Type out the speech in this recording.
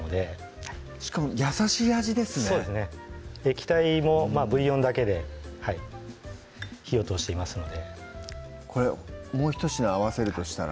液体もブイヨンだけで火を通していますのでこれもうひと品合わせるとしたら？